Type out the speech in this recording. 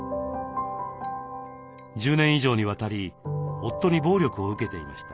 １０年以上にわたり夫に暴力を受けていました。